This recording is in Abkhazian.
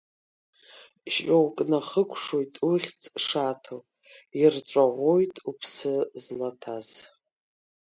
Шьоук нахыкәшоит ухьӡ шаҭо, ирҵәаӷәоит уԥсы злаҭаз.